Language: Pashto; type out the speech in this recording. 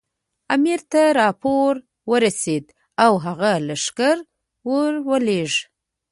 امیر ته راپور ورسېد او هغه لښکر ورولېږه.